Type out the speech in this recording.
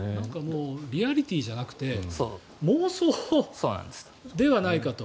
リアリティーじゃなくて妄想ではないかと。